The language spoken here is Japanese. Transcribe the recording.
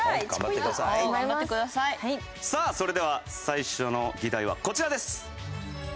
さあそれでは最初の議題はこちらです。